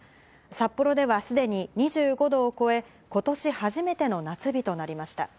札幌ではすでに２５度を超え、今年初めての夏日となりました。